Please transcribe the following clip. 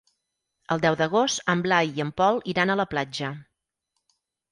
El deu d'agost en Blai i en Pol iran a la platja.